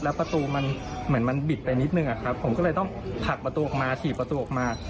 แล้วประตูมันเหมือนมันบิดไปนิดหนึ่งอะครับผมก็เลยต้องผลักประตูออกมา